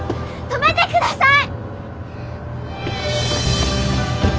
止めてください。